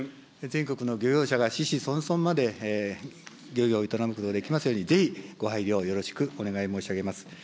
全国の漁業者が子々孫々まで漁業を営むことができますように、ぜひ、ご配慮をよろしくお願い申し上げます。